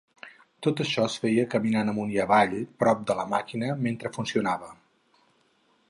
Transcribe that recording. Tot això es feia caminant amunt i avall, prop de la màquina, mentre funcionava.